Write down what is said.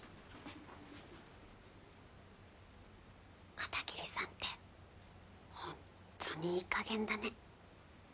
片桐さんってホントにいいかげんだね。